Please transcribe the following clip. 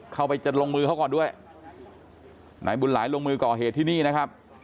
เข้าไปจะลงมือเขาก่อนด้วยนายบุญหลายลงมือก่อเหตุที่นี่นะครับ